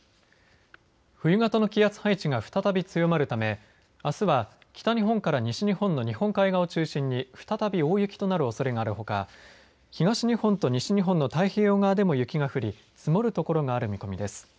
冬型の気圧配置が再び強まるためあすは北日本から西日本の日本海側を中心に再び大雪となるおそれがあるほか東日本と西日本の太平洋側でも雪が降り積もる所がある見込みです。